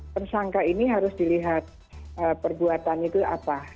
pensangka ini harus dilihat perbuatan itu apa